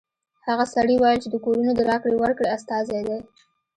هغه سړي ویل چې د کورونو د راکړې ورکړې استازی دی